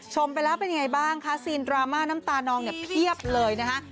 ชมไปแล้วเป็นยังไงบ้างคะซีนดราม่าน้ำตานองเนี่ยเพียบเลยนะคะ